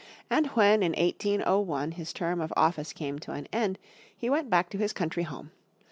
And when in 1801 his term of office came to an end he went back to his country home.